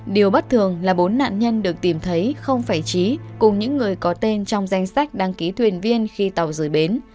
điều bất thường là bốn nạn nhân được tìm thấy không phải trí cùng những người có tên trong danh sách đăng ký thuyền viên khi tàu rời bến